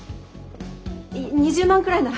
いや２０万くらいなら。